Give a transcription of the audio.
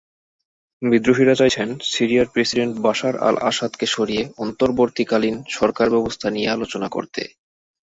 বিদ্রোহীরা চাইছেন সিরিয়ার প্রেসিডেন্ট বাশার আল-আসাদকে সরিয়ে অন্তর্বর্তীকালীন সরকারব্যবস্থা নিয়ে আলোচনা করতে।